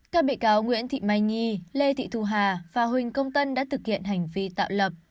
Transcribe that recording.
các bị cáo nguyễn thị mai nhi lê thị thu hà và huỳnh công tân đã thực hiện hành vi tạo lập